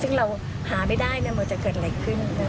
ซึ่งเราหาไม่ได้มันจะเกิดอะไรขึ้น